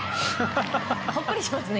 ほっこりしますね